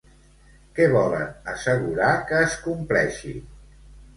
Què volen assegurar que es compleixi?